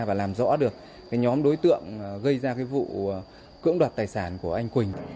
và làm rõ được nhóm đối tượng gây ra vụ cưỡng đoạt tài sản của anh quỳnh